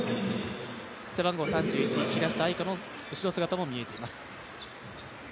背番号３１、平下愛佳の後ろ姿も見えています。